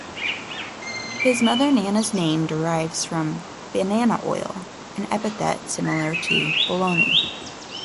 His mother Nana's name derives from "banana oil," an epithet similar to "baloney.